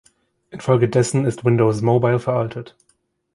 Infolgedessen ist Windows Mobile veraltet.